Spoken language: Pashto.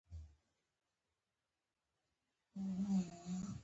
د کلو غړي چې د تېښتې په جرم تورن دي.